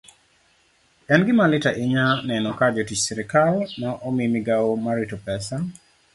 En gima lit ahinya neno ka jotich sirkal ma omi migawo mar rito pesa